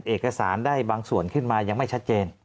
เอกสารได้บางส่วนขึ้นมายังไม่ชัดเจน